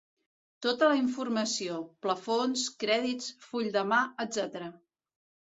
Tota la informació: plafons, crèdits, full de mà, etc.